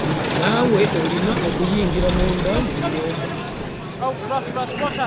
Naawe olina okuyingira munda mu nyumba.